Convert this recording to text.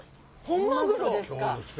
本マグロですか。